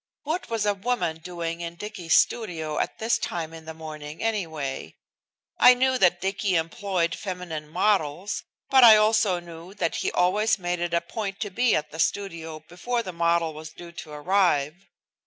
What was a woman doing in Dicky's studio at this time in the morning, anyway? I knew that Dicky employed feminine models, but I also knew that he always made it a point to be at the studio before the model was due to arrive.